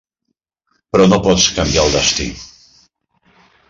Però no pots canviar el destí.